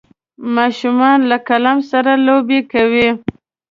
ماشومان له قلم سره لوبې کوي.